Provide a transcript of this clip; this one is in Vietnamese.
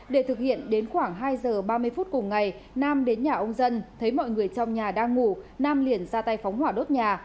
để thực hiện đến khoảng hai giờ ba mươi phút cùng ngày nam đến nhà ông dân thấy mọi người trong nhà đang ngủ nam liền ra tay phóng hỏa đốt nhà